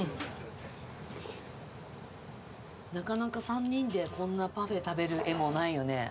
なかなか３人でこんなパフェ食べる画もないよね